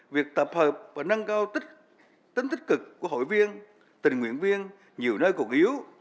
việc tập hợp và nâng cao tính tích cực của hội viên tình nguyện viên nhiều nơi còn yếu